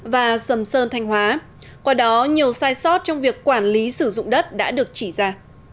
và sầm sơn thanh hóa qua đó nhiều sai sót trong việc quản lý sử dụng đất đã được chỉ ra